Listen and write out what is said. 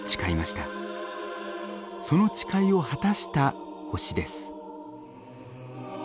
その誓いを果たした星です。